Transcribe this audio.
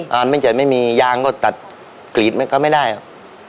งานไม่มียางก็ตัดกรีดก็ไม่ได้ครับ